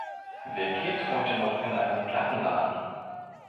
Wer geht heute noch in einen Plattenladen?